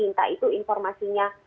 entah itu informasinya